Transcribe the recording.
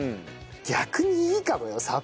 逆にいいかもよさ